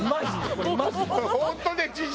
これマジよ。